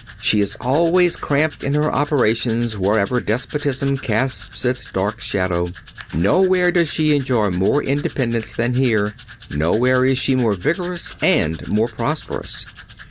She is always cramped in her operations wherever despotism casts its dark shadow. Nowhere does she enjoy more independence than here; nowhere is she more vigorous and more prosperous.